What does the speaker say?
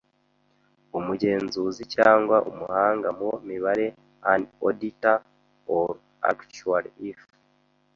umugenzuzi cyangwa umuhanga mu mibare an auditor or actuary if